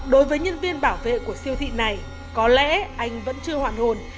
đối với nhân viên bảo vệ của siêu thị này có lẽ anh vẫn chưa hoàn hồn